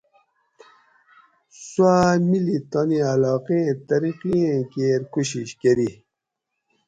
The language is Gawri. سوآۤ ملی تانی علاقیں ترقی ایں کیر کوشش کۤری